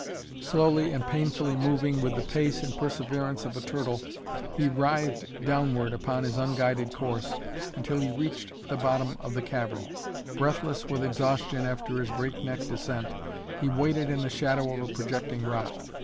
Slowly and painfully moving, with the pace and perseverance of a turtle, he writhed downward upon his unguided course until he reached the bottom of the cavern. Breathless with exhaustion after his breakneck descent, he waited in the shadow of a projecting rock.